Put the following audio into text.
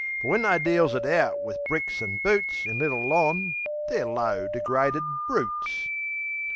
But when they deals it out wiv bricks an' boots In Little Lon., they're low, degraded broots.